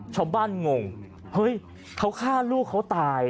งงเฮ้ยเขาฆ่าลูกเขาตาย